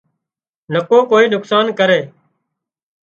نڪو ڪوئي نقصان ڪري